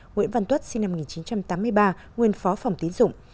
nguyễn văn tuất sinh năm một nghìn chín trăm tám mươi ba nguyên phó phòng tín dụng